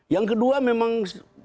yang kedua memang